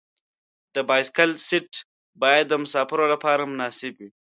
د بایسکل سیټ باید د مسافر لپاره مناسب وي.